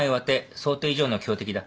想定以上の強敵だ。